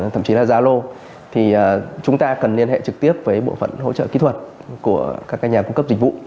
thậm chí là zalo thì chúng ta cần liên hệ trực tiếp với bộ phận hỗ trợ kỹ thuật của các nhà cung cấp dịch vụ